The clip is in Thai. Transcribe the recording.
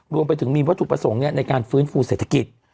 รวมไปถึงมีวัตถุประสงค์ในการฟื้นฟูเศรษฐกิจ